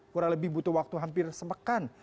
kurang lebih butuh waktu hampir sepekan